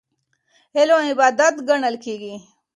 علم عبادت ګڼل کېږي.